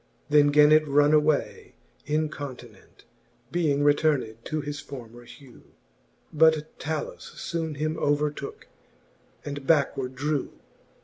Then gan it runne away incontinent, Being returned to his former hew: But Talus foone him overtooke, and backward drew.